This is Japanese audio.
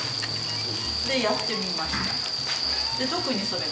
でやってみました。